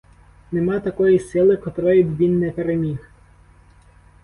Нема такої сили, котрої б він не переміг.